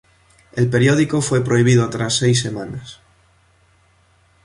El periódico fue prohibido tras seis semanas.